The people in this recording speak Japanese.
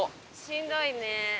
しんどいね。